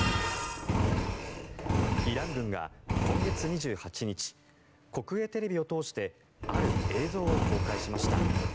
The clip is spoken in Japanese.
イラン軍が今月２８日国営テレビを通してある映像を公開しました。